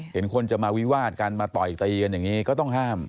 เห็นคนจะมาวิวาดกันมาต่อยตีกันอย่างนี้ก็ต้องห้าม